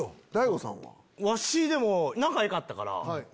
わし仲良かったから。